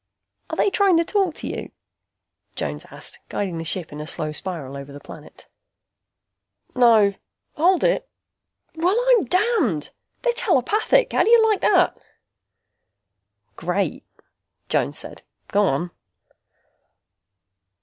"Are they trying to talk to you?" Jones asked, guiding the ship in a slow spiral over the planet. "No. Hold it. Well I'm damned! They're telepathic! How do you like that?" "Great," Jones said. "Go on."